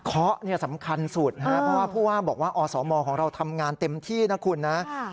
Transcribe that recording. เคราะห์เนี่ยสำคัญสุดเพราะว่าผู้ว่าบอกว่าอสมของเราทำงานเต็มที่นะคุณนะ